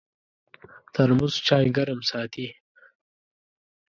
ترموز چای ګرم ساتي.